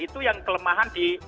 itu yang kelemahan di